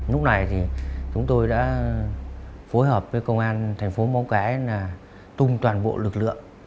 lúc này thì chúng tôi đã phối hợp với công an thành phố móng cái tung toàn bộ lực lượng